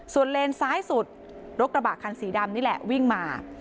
ส่วนเลนซ้ายสุดรถกระบะคันสีดำนี่แหละวิ่งมา